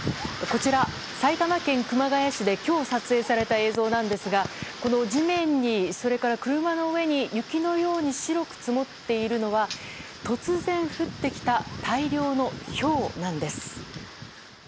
こちら、埼玉県熊谷市で今日撮影された映像なんですがこの地面に、車の上に雪のように白く積もっているのは突然降ってきた大量のひょうなんです。